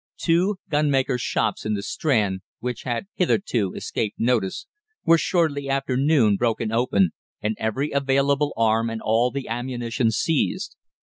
Two gunmakers' shops in the Strand, which had hitherto escaped notice, were shortly after noon broken open, and every available arm and all the ammunition seized.